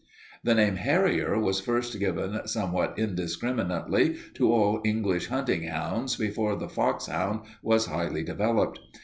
"The name harrier was first given somewhat indiscriminately to all English hunting hounds before the foxhound was highly developed.